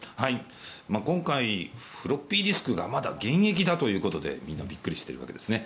今回フロッピーディスクがまだ現役だということでみんなびっくりしているわけですよね。